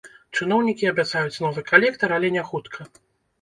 Чыноўнікі абяцаюць новы калектар, але няхутка.